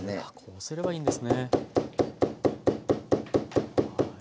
あこうすればいいんですね。